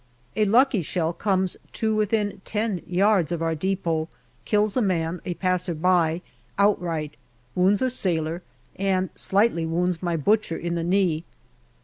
A lucky shell comes to within ten yards of our depot, kills a man, a passer by, outright, wounds a sailor, and slightly wounds my butcher in the knee.